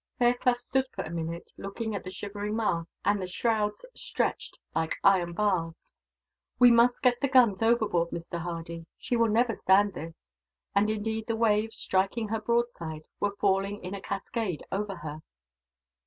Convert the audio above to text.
Fairclough stood for a minute, looking at the shivering mast, and the shrouds stretched like iron bars. "We must get the guns overboard, Mr. Hardy; she will never stand this," and indeed the waves, striking her broadside, were falling in a cascade over her.